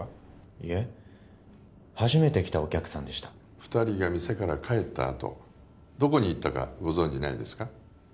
いえ初めて来たお客さんでした二人が店から帰ったあとどこに行ったかご存じないですか？